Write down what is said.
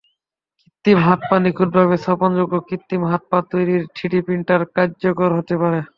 কৃত্রিম হাত-পা নিখুঁতভাবে স্থাপনযোগ্য কৃত্রিম হাত-পা তৈরিতে থ্রিডি প্রিন্টার কার্যকর হতে পারে।